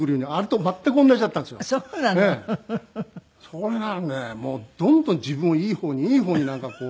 それなのにねどんどん自分をいい方にいい方になんかこう。